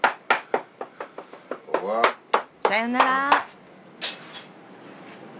さよなら。